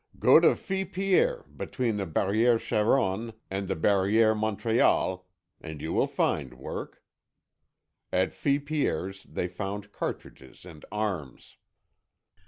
"Go to Filspierre, between the Barrière Charonne and the Barrière Montreuil, and you will find work." At Filspierre's they found cartridges and arms.